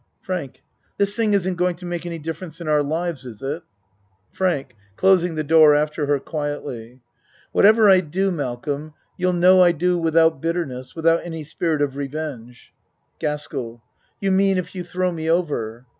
Frank, this thing isn't going to make any difference in our lives, is it? FRANK (Closing the door after her quietly.) Whatever I do, Malcolm, you'll know I do without bitterness without any spirit of revenge. GASKELL You mean if you throw me over?